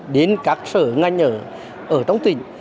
đến các sở ngành ở trong tỉnh